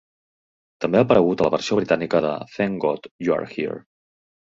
També ha aparegut a la versió britànica de "Thank God You're Here".